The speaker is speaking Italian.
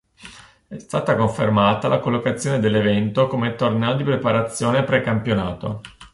È stata confermata la collocazione dell'evento come torneo di preparazione precampionato.